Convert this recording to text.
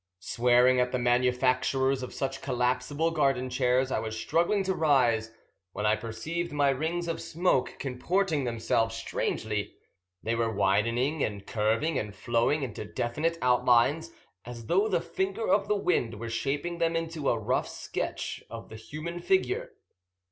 Swearing at the manufacturers of such collapsible garden chairs, I was struggling to rise when I perceived my rings of smoke comporting themselves strangely. They were widening and curving and flowing into definite outlines, as though the finger of the wind were shaping them into a rough sketch of the human figure.